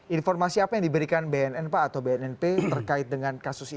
informasi apa yang diberikan bnn pak atau bnnp terkait dengan kasus ini